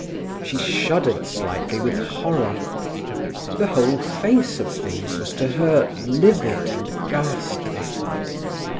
She shuddered slightly with horror. The whole face of things was to her livid and ghastly.